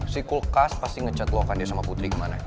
si kulkas pasti ngechat lo akan dia sama putri kemana